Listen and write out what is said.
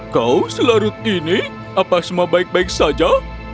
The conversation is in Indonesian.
kau selarut ini apa semua baik baik saja